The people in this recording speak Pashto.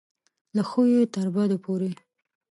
له ښو یې تر بدو پورې.